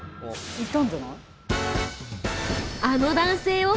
いたんじゃない？